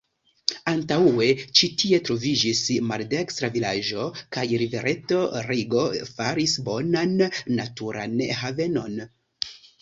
Antaŭe ĉi tie troviĝis maldekstra vilaĝo, kaj rivereto Rigo faris bonan naturan havenon.